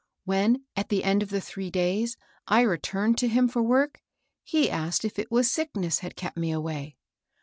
When at the end of the three days I returned to him for work, he asked if it was sickness had kept me away.